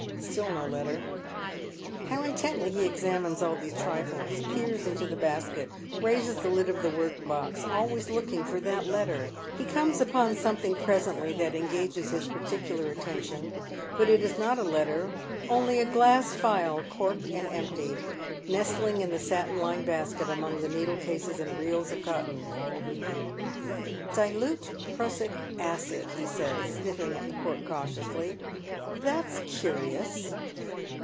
Still no letter. How intently he examines all these trifles, peers into the basket, raises the lid of the work box, always looking for that letter 1 He comes upon something presently that engages his particular attention, but it is not a letter, only a glass phial corked and empty, nestling in the satin lined basket among ncedle caaia and reels of cotton. Dark Surmisea. 29ft •'Dilute prussic acid," he says, sniffing at the cork cautiously. •That's curious."